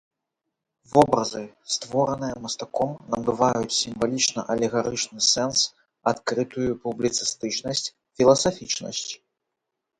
Вобразы, створаныя мастаком, набываюць сімвалічна-алегарычны сэнс, адкрытую публіцыстычнасць, філасафічнасць.